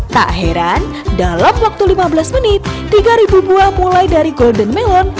tak heran dalam waktu lima belas menit tiga buah mulai dari golden melon